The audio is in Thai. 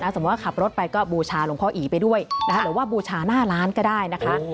สมมุติว่าขับรถไปก็บูชาหลวงพ่ออีไปด้วยหรือว่าบูชาหน้าร้านก็ได้นะคะ